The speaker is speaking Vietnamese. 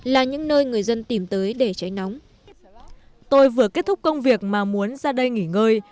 là những nơi người dân tìm tới để tránh nóng tôi vừa kết thúc công việc mà muốn ra đây nghỉ ngơi